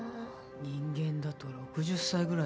人間だと６０歳ぐらいか。